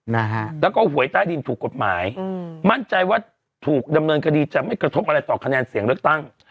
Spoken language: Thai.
นะฮะแล้วก็หวยใต้ดินถูกกฎหมายอืมมั่นใจว่าถูกดำเนินคดีจะไม่กระทบอะไรต่อคะแนนเสียงเลือกตั้ง